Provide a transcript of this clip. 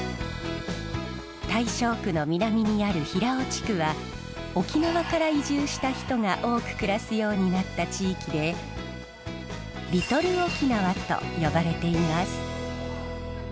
大正区の南にある平尾地区は沖縄から移住した人が多く暮らすようになった地域でリトル沖縄と呼ばれています。